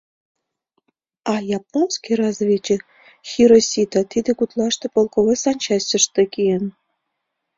А японский разведчик Хиросита тиде гутлаште полковой санчастьыште киен.